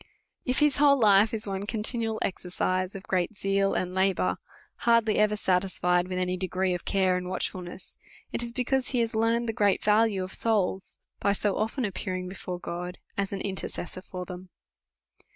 If his whole life is one continual exercise of great zeal and labour, hardly ever satisfied with any degrees of care and watchfulness, it is because he has learned the great value of souls, by so often appear ing before God, as an intercessor for them.